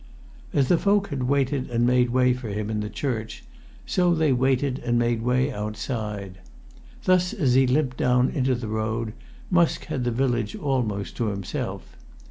As the folk had waited and made way for him in the church, so they waited and made way outside. Thus, as he limped down into the road, Musk had the village almost to himself.